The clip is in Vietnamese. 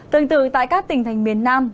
tương tự tại các tỉnh thành miền nam